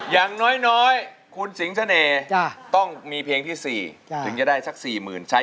อย่างน้อยคุณสิงห์ชะเนยต้องมีเพลงที่๔ถึงจะได้สัก๔หมื่นเนี่ย